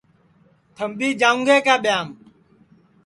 تھمبی جاؤں گے کیا ٻیایم